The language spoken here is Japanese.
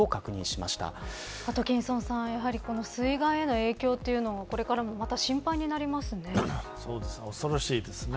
アトキンソンさん、やはり水害への影響というのはこれからもまた心配になりますね。